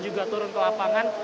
juga turun ke lapangan